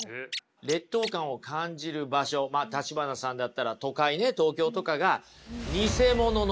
劣等感を感じる場所橘さんだったら都会ね東京とかがニセモノの場所だからです。